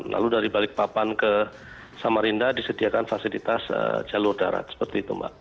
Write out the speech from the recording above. lalu dari balikpapan ke samarinda disediakan fasilitas jalur darat seperti itu mbak